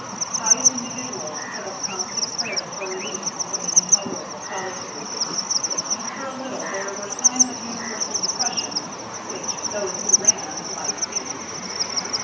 Pious individuals put up constant prayers for relief from the intolerable solitude. After a little there were signs of universal depression which those who ran might read.